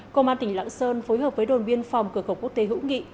công an tỉnh lạng sơn phối hợp với đồn biên phòng cửa khẩu quốc tế hữu nghị